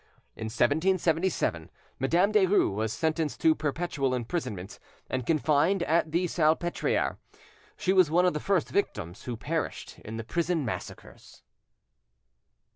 In 1777, Madame Derues was sentenced to perpetual imprisonment, and confined at the Salpetriere. She was one of the first victims who perished in the prison massacres.